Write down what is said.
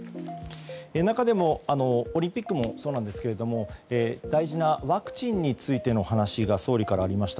中でもオリンピックもそうですが大事なワクチンについての話が総理からありました。